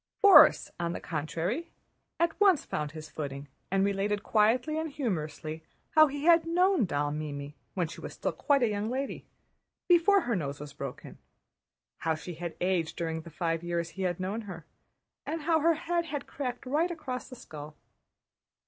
Borís on the contrary at once found his footing, and related quietly and humorously how he had known that doll Mimi when she was still quite a young lady, before her nose was broken; how she had aged during the five years he had known her, and how her head had cracked right across the skull.